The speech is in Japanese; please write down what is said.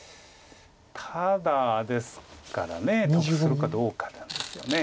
ただですから得するかどうかなんですよね。